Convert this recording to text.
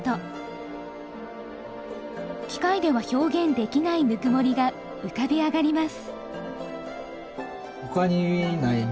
機械では表現できないぬくもりが浮かび上がります。